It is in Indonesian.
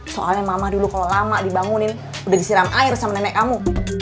soalnya mama dulu kalau lama dibangunin udah disiram air sama nenek kamu